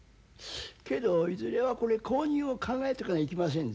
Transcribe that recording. けどいずれはこれ後任を考えとかないけませんぜ。